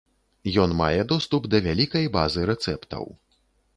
Ён мае доступ да вялікай базы рэцэптаў.